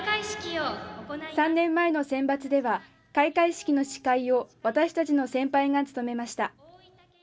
３年前のセンバツでは開会式の司会を私たちの先輩が務めました。